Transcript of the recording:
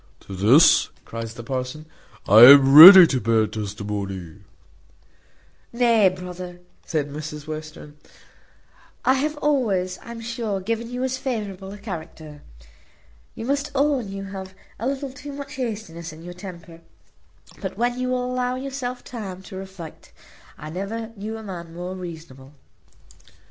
"To this," cries the parson, "I am ready to bear testimony." "Nay, brother," says Mrs Western, "I have always, I'm sure, given you as favourable a character. You must own you have a little too much hastiness in your temper; but when you will allow yourself time to reflect I never knew a man more reasonable."